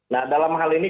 nah dalam hal ini